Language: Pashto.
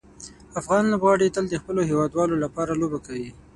افغان لوبغاړي تل د خپلو هیوادوالو لپاره لوبه کوي.